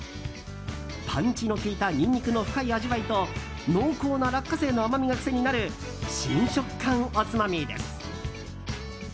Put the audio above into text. パンチの効いたニンニクの深い味わいと濃厚な落花生の甘みが癖になる新食感おつまみです。